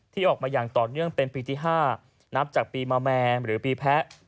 ที่ออกมายังตอนเนื่องเป็นปีที่ห้านับจากปีแมวแมร์หรือปีแพะ